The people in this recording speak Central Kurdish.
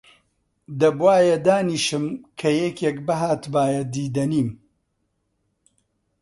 دەبوایە دانیشم کە یەکێک بهاتبایە دیدەنیم